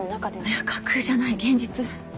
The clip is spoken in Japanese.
架空じゃない現実。